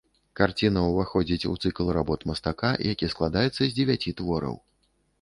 Карціна ўваходзіць у цыкл работ мастака, які складаецца з дзевяці твораў.